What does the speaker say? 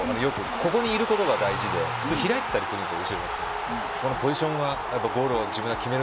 ここにいることが大事で普通開いてたりするんですよ